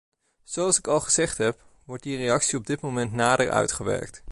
Zoals ik al gezegd heb, wordt die reactie op dit moment nader uitgewerkt.